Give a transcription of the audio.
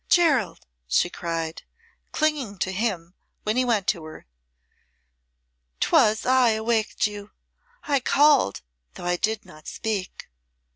"Gerald," she cried, clinging to him when he went to her. "'Twas I awaked you. I called, though I did not speak."